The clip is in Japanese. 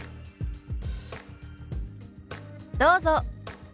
どうぞ。